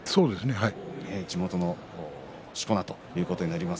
地元のしこ名ということになります。